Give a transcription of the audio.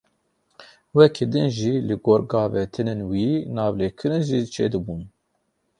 Wekî din jî, li gor gavavêtinên wî navlêkirin jî çêdibûn.